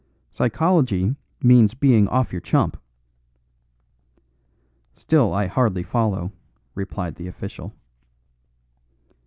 "Psychology means being off your chump." "Still I hardly follow," replied the official.